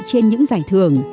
trên những giải thưởng